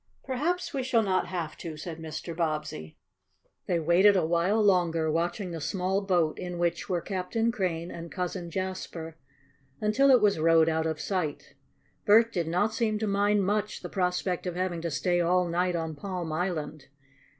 "Perhaps we shall not have to," said Mr. Bobbsey. They waited a while longer, watching the small boat in which were Captain Crane and Cousin Jasper, until it was rowed out of sight. Bert did not seem to mind much the prospect of having to stay all night on Palm Island.